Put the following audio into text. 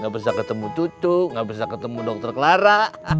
gak bisa ketemu tutu gak bisa ketemu dokter clara